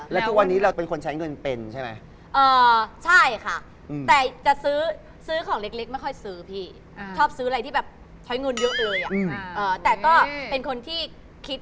แล้วทุกวันนี้เราเป็นคนใช้เงินเป็นใช่ไหม